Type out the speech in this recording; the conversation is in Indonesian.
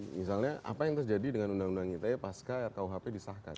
misalnya apa yang terjadi dengan undang undang ite pasca rkuhp disahkan